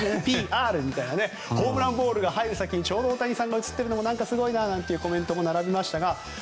ホームランボールが入る先にちょうど大谷さんが映ってるのも何かすごいなというコメントも並びましたが。